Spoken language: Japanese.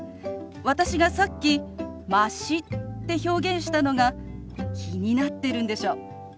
私がさっき「まし」って表現したのが気になってるんでしょ？